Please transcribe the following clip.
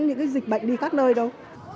những dịch bệnh đi các nơi đâu